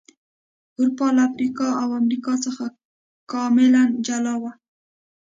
اروپا له افریقا او امریکا څخه کاملا جلا و.